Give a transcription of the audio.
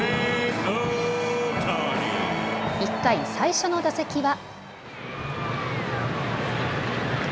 １回、最初の打席は。